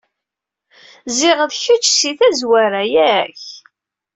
Ziɣ d kečč si tazwara, yak?